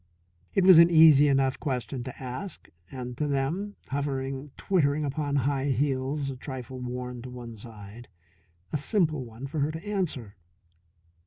It was an easy enough question to ask and, to them, hovering twittering upon high heels a trifle worn to one side, a simple one for her to answer.